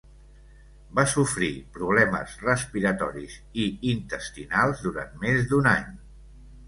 Va sofrir problemes respiratoris i intestinals durant més d'un any.